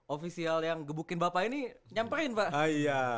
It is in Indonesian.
ofisial yang gebukin bapak ini nyamperin pak